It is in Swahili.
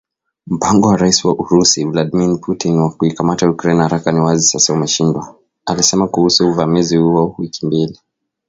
"Mpango wa Rais wa Urusi, Vladmir Putin wa kuikamata Ukraine haraka ni wazi sasa umeshindwa," alisema kuhusu uvamizi huo wa wiki mbili.